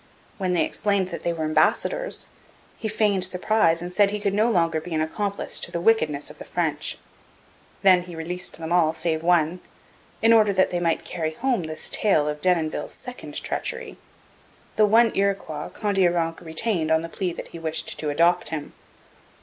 When they explained that they were ambassadors, he feigned surprise and said he could no longer be an accomplice to the wickedness of the French. Then he released them all save one, in order that they might carry home this tale of Denonville's second treachery. The one Iroquois Kondiaronk retained on the plea that he wished to adopt him.